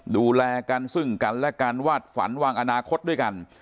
ดูแลกันซึ่งกันและกันวาดฝันวางอนาคตด้วยกัน